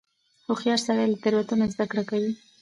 هوښیار سړی له تېروتنو زده کړه کوي.